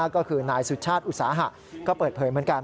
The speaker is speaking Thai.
ก็คือนายสุชาติอุตสาหะก็เปิดเผยเหมือนกัน